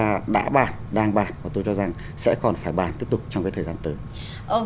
là đã bàn đang bàn và tôi cho rằng sẽ còn phải bàn tiếp tục trong cái thời gian tới